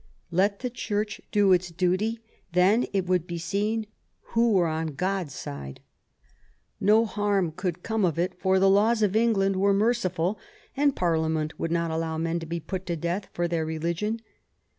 Let the Church do its duty ; then it would be seen who were on God's side. No harm could come of it, for the laws of England were merciful, and Parliament would not allow men to be put to death for their religion.